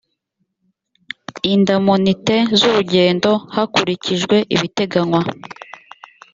indamunite z urugendo hakurikijwe ibiteganywa